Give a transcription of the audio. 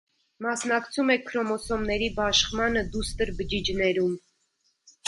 Մասնակցում է քրոմոսոմների բաշխմանը դուստր բջիջներում։